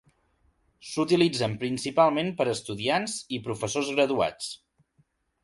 S'utilitzen principalment per estudiants i professors graduats.